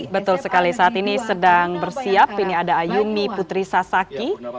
betul sekali saat ini sedang bersiap ini ada ayumi putri sasaki